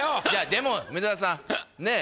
でも梅沢さんねえ